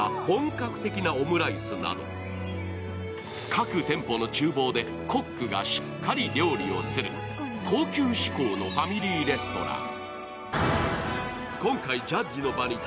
各店舗のちゅう房でコックがしっかり料理をする高級志向のファミリーレストラン。